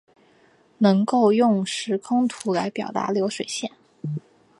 能够用时空图表达流水线